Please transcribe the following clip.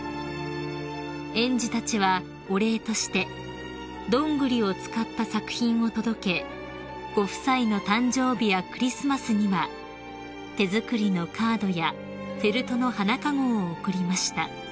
［園児たちはお礼としてドングリを使った作品を届けご夫妻の誕生日やクリスマスには手作りのカードやフェルトの花籠を贈りました］